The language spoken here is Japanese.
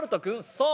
「そう。